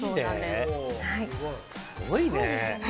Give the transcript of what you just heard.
すごいね！